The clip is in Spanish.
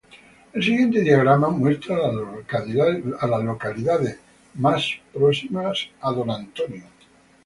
El siguiente diagrama muestra a las localidades más próximas a Dot Lake Village.